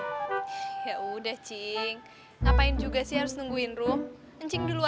gimana sih ditungguin jalan duluan